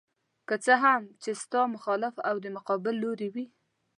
که څه هم چې ستا مخالف او د مقابل لوري وي.